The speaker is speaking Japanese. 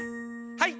はい！